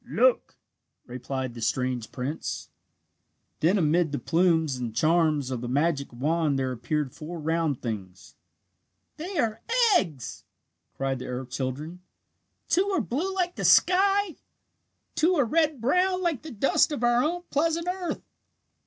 "Look!" replied the strange prince. Then amid the plumes and charms of the magic wand there appeared four round things. "They are eggs!" cried the earth children. "Two are blue like the sky. Two are red brown like the dust of our own pleasant earth!"